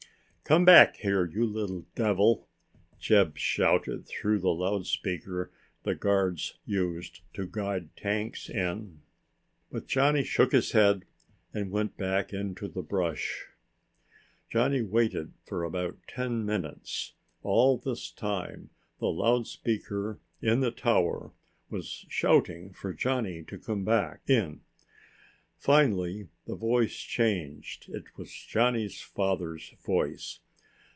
"Come back here, you little devil!" Jeb shouted through the loudspeaker the guards used to guide tanks in. But Johnny shook his head and went back into the brush. Johnny waited for about ten minutes. All this time the loudspeaker in the tower was shouting for Johnny to come back in. Finally the voice changed. It was Johnny's father's voice.